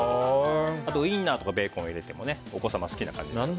あとウインナーとかベーコンを入れてもお子様好きな感じ。